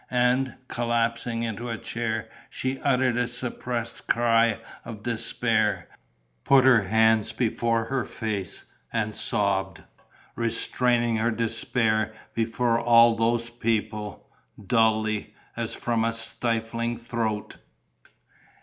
And, collapsing into a chair, she uttered a suppressed cry of despair, put her hands before her face and sobbed, restraining her despair before all those people, dully, as from a stifling throat.